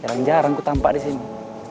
jarang jarang aku tampak di sini